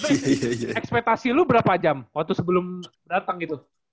tapi ekspetasi lu berapa jam waktu sebelum datang gitu